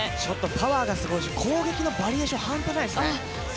パワーがすごいし攻撃のバリエーション半端ないですね。